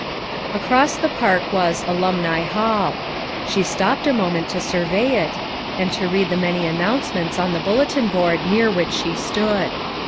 Across the park was "Alumni Hall." She stopped a moment to survey it, and to read the many announcements on the bulletin board near which she stood.